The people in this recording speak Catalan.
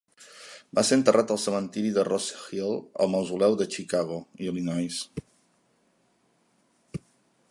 Va ser enterrat al cementiri de Rosehill i al mausoleu de Chicago, Illinois.